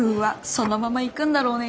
そのままいくんだろうね